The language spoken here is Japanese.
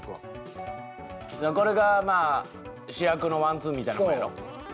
これが主役のワンツーみたいなもんやろ。